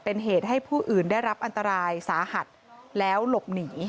เป็นเหตุให้ผู้อื่นได้รับอันตรายสาหัสแล้วหลบหนี